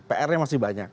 pr nya masih banyak